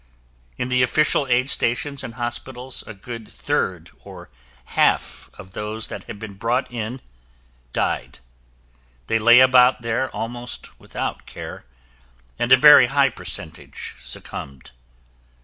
In the official aid stations and hospitals, a good third or half of those that had been brought in died. They lay about there almost without care, and a very high percentage succumbed.